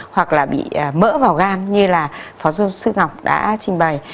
hoặc là bị mỡ vào gan như là phó giê xu ngọc đã trình bày